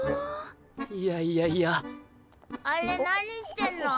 いやいやいやあれ何してんの？